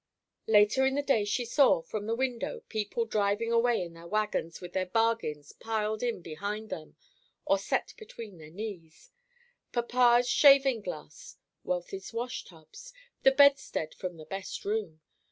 Later in the day she saw, from the window, people driving away in their wagons with their bargains piled in behind them, or set between their knees, papa's shaving glass, Wealthy's wash tubs, the bedstead from the best room.